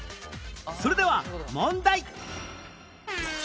それでは問題